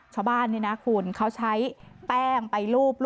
ชาวบ้านนี่นะคุณเขาใช้แป้งไปรูป